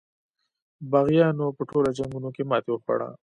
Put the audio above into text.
یاغیانو په ټولو جنګونو کې ماته وخوړه.